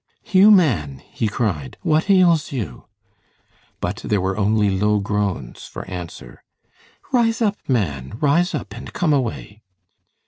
"Hugh, man," he cried, "what ails you?" But there were only low groans for answer. "Rise up, man, rise up and come away."